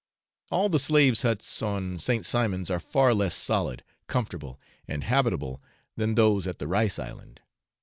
] All the slaves' huts on St. Simon's are far less solid, comfortable, and habitable than those at the rice island.